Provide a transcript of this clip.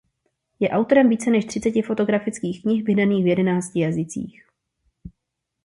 Je autorem více než třiceti fotografických knih vydaných v jedenácti jazycích.